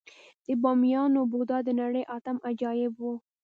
د بامیانو بودا د نړۍ اتم عجایب و